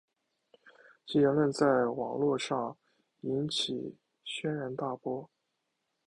其言论在网路上引起轩然大波。